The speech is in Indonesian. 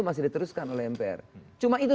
masih diteruskan oleh mpr cuma itu